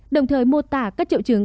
đồng thời mô tả các triệu chứng